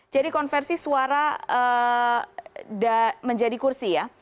jadi konversi suara menjadi kursi ya